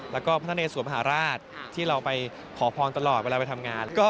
แล้วก็พระเนสวนมหาราชที่เราไปขอพรตลอดเวลาไปทำงาน